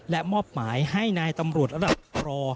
และมอบหมายให้นายตำรวจระดับรอ